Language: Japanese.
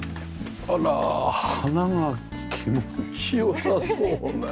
あら花が気持ち良さそうね。